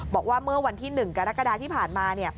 บอกว่าเมื่อวันที่๑กรกฎาที่ผ่านมา